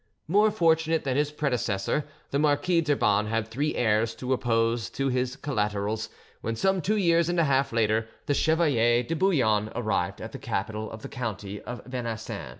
More fortunate than his predecessor, the Marquis d'Urban had three heirs to oppose to his collaterals, when, some two years and a half later, the Chevalier de Bouillon arrived at the capital of the county of Venaissin.